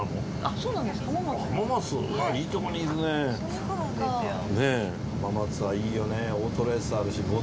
そうなんですよ。